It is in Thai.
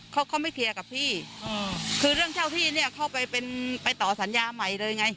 เขาเขาไม่เคลียร์กับพี่คือเรื่องเช่าที่เนี้ยเข้าไปเป็นไปต่อสัญญาใหม่เลยไง